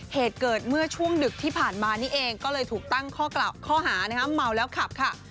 เหตุเกิดเมื่อช่วงดึกที่ผ่านมานี่เองก็เลยถูกตั้งข้อกล่าวหาเมาแล้วขับค่ะ